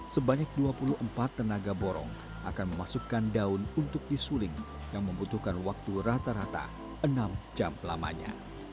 sebanyak dua puluh empat tenaga borong akan memasukkan daun untuk disuling yang membutuhkan waktu rata rata enam jam lamanya